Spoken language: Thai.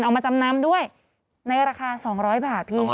เอามาจำนำด้วยในราคา๒๐๐บาทพี่